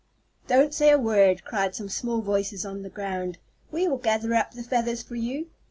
"Don't say a word!" cried some small voices on the ground. "We will gather up the feathers for you."